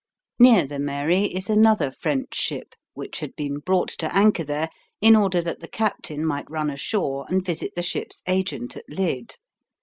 Near the Mary is another French ship, which had been brought to anchor there in order that the captain might run ashore and visit the ship's agent at Lydd.